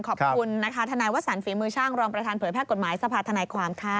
ขอบคุณนะคะทนายวสันฝีมือช่างรองประธานเผยแพร่กฎหมายสภาธนายความค่ะ